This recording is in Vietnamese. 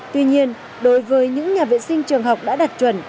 tuy nhiên đối với những nhà vệ sinh trường học đã đạt chuẩn